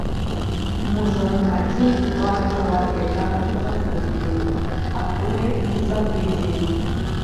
Можа, адзін-два чалавека за суткі, а тое і за тыдзень.